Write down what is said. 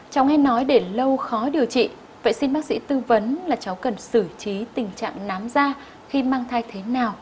cháu nghe nói để lâu khó điều trị vậy xin bác sĩ tư vấn là cháu cần xử trí tình trạng nám da khi mang thai thế nào